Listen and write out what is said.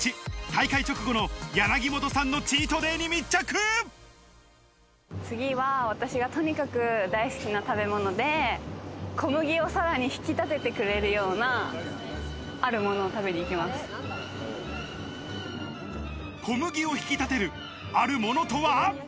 大会直次は、私がとにかく大好きな食べ物で、小麦をさらに引き立ててくれるような、あるものを食べ小麦を引き立てるあるものとは？